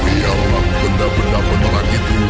biarlah benda benda penerang itu